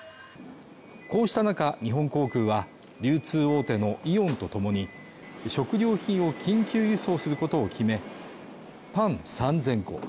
こうした中日本航空は流通大手のイオンとともに食料品を緊急輸送することを決めパン３０００個